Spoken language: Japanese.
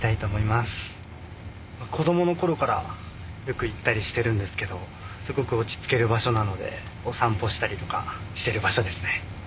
子供の頃からよく行ったりしてるんですけどすごく落ち着ける場所なのでお散歩したりとかしてる場所ですね。